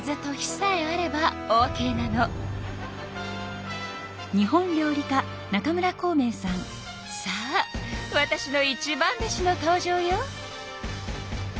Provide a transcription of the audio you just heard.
さあわたしの一番弟子の登場よ。